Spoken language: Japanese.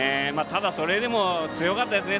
ただ、それでも、強かったですね。